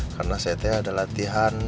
karena saya ada latihan